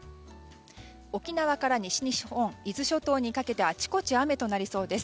沖縄から西日本伊豆諸島にかけてあちこち雨となりそうです。